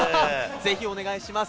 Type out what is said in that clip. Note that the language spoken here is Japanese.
ぜひお願いします。